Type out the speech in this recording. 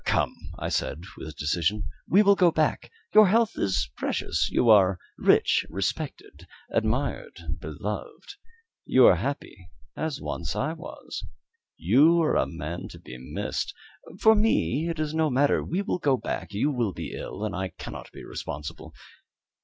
"Come," I said, with decision, "we will go back; your health is precious. You are rich, respected, admired, beloved; you are happy, as once I was. You are a man to be missed. For me it is no matter. We will go back; you will be ill, and I cannot be responsible.